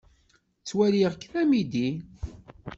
Ttwaliɣ-k d amidi.